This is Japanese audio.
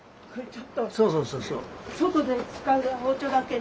そうそうそうそう。